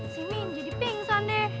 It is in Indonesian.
si min jadi pingsan deh